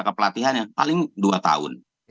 kepelatihannya paling dua tahun